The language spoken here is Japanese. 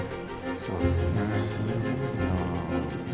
そうですね。